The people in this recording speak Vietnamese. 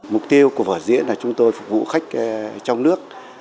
mục tiêu của vở diễn là chúng tôi phục vụ khách trong nước